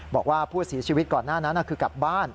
บอกว่าผู้เสียชีวิตก่อนหน้านั้นคือกลับบ้าน